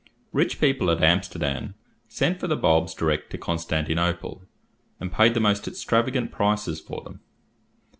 Rich people at Amsterdam sent for the bulbs direct to Constantinople, and paid the most extravagant prices for them.